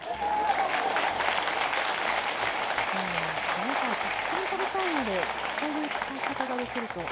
お野菜たくさん食べたいのでこういう使い方ができると。